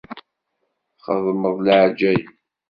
Txedmeḍ leɛǧayeb.